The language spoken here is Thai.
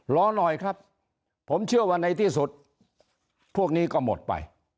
รอหน่อยครับผมเชื่อว่าในที่สุดพวกนี้ก็หมดไป